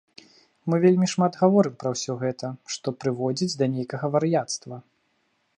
Мы вельмі шмат гаворым пра ўсё гэта, што прыводзіць да нейкага вар'яцтва.